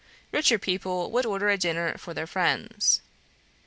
Richer people would order a dinner for their friends.